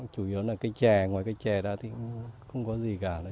chủ yếu là cây trẻ ngoài cây trẻ đó thì không có gì cả